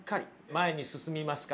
前に進みますか？